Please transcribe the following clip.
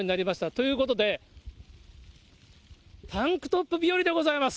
ということで、タンクトップ日和でございます。